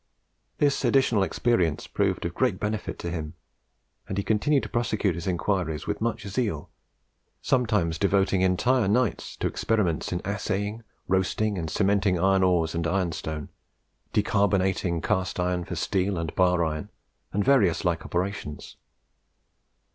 This additional experience proved of great benefit to him; and he continued to prosecute his inquiries with much zeal, sometimes devoting entire nights to experiments in assaying, roasting and cementing iron ores and ironstone, decarbonating cast iron for steel and bar iron, and various like operations.